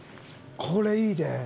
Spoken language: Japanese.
これいいで。